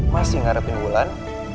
masih ngarepin wulan